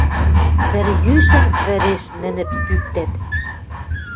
Вӹрйӱшӹм вӹреш нӹнӹ пӱктӓт.